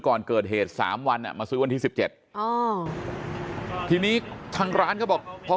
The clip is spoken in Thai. ก่อนเกิดเหตุ๓วันมาซื้อวันที่๑๗ทีนี้ทางร้านก็บอกเพราะ